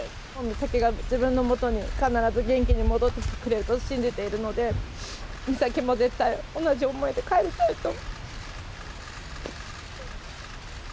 美咲が自分のもとに、必ず元気に戻ってくれると信じているので、美咲も絶対同じ思いで帰りたいと。